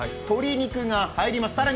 鶏肉が入ります。